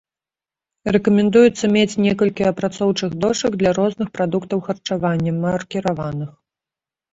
Рэкамендуецца мець некалькі апрацоўчых дошак для розных прадуктаў харчавання, маркіраваных.